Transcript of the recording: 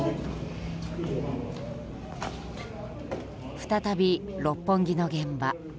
再び、六本木の現場。